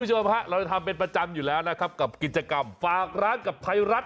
คุณผู้ชมฮะเราจะทำเป็นประจำอยู่แล้วนะครับกับกิจกรรมฝากร้านกับไทยรัฐ